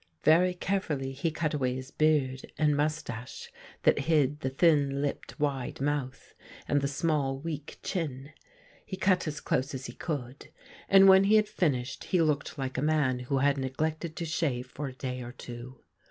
Very carefully he cut away his beard and mous tache, that hid the thin lipped, wide mouth, and the small weak chin. He cut as close as he could, and when he had finished he looked like a man who had neglected to shave for a day or two.